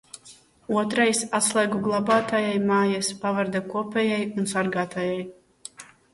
Otrais: atslēgu glabātājai, mājas pavarda kopējai un sargātājai.